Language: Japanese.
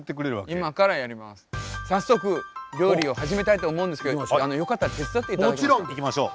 早速料理を始めたいと思うんですけどよかったら手伝っていただけますか？